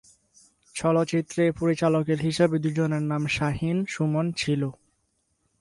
চলচ্চিত্রে পরিচালকের হিসেবে দুজনের নাম শাহীন-সুমন ছিল।